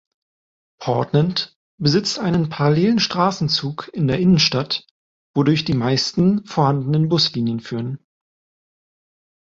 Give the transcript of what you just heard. Portland besitzt einen parallelen Straßenzug in der Innenstadt, wodurch die meisten vorhandenen Buslinien führen.